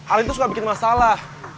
alin itu suka bikin masalah